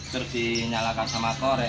terus dinyalakan sama korek